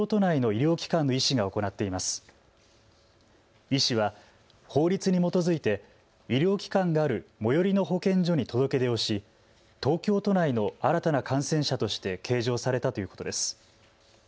医師は法律に基づいて医療機関がある最寄りの保健所に届け出をし東京都内の新たな感染者として計上されたということです。